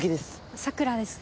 桜です。